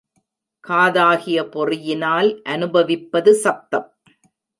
காதாகிய பொறியினால் அநுபவிப்பது சப்தம்.